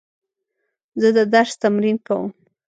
زه د درس تمرین کوم.